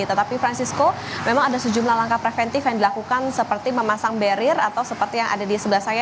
tetapi francisco memang ada sejumlah langkah preventif yang dilakukan seperti memasang barrier atau seperti yang ada di sebelah saya